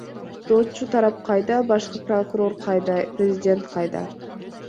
Доочу тарап кайда, башкы прокурор кайда, президент кайда?